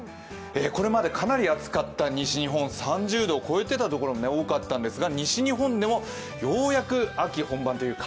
これまでかなり暑かった西日本、３０度を超えてたところも多かったんですが、西日本でもようやく秋本番というか